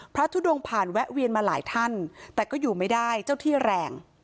ทุดงผ่านแวะเวียนมาหลายท่านแต่ก็อยู่ไม่ได้เจ้าที่แรง